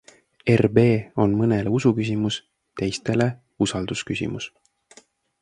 RB on mõnele usuküsimus, teistele usaldusküsimus.